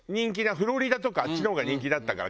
フロリダとかあっちの方が人気だったから。